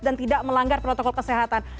dan tidak melanggar protokol kesehatan